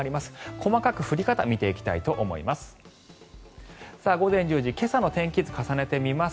細かく、降り方を見ていきたいと思います。